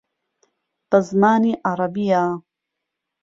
بە زمانی عەرەبییە